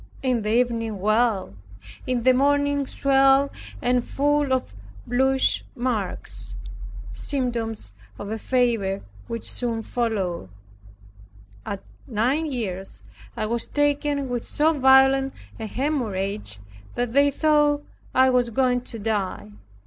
In the evening well; in the morning swelled and full of bluish marks, symptoms of a fever which soon followed. At nine years, I was taken with so violent a hemorrhage that they thought I was going to die.